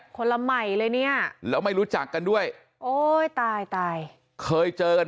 คนละใหม่เลยเนี่ยแล้วไม่รู้จักกันด้วยโอ้ยตายตายเคยเจอกัน